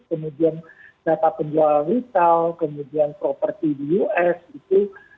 kemudian data penjual retail kemudian properti di us itu